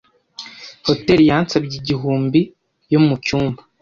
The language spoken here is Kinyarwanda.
Hoteri yansabye igihumbi yo mucyumba.